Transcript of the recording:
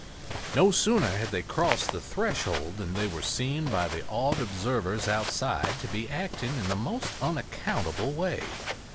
No sooner had they crossed the threshold than they were seen by the awed observers outside to be acting in the most unaccountable way.